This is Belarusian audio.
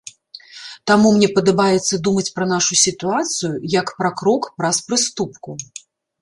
Таму мне падабаецца думаць пра нашу сітуацыю, як пра крок праз прыступку.